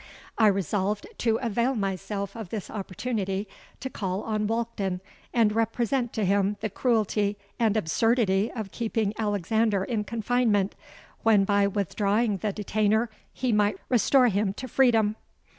I resolved to avail myself of this opportunity to call on Walkden, and represent to him the cruelty and absurdity of keeping Alexander in confinement, when by withdrawing the detainer he might restore him to freedom.